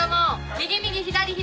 右右左左。